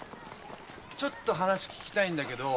ちょっと話聞きたいんだけど。